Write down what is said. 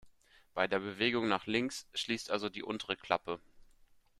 Bei der Bewegung nach links schließt also die untere Klappe.